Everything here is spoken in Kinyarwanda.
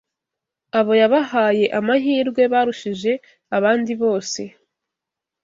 Abo yabahaye amahirwe barushije abandi bose